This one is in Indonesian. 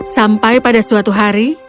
sampai pada suatu hari